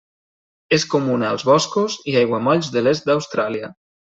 És comuna als boscos i aiguamolls de l'est d'Austràlia.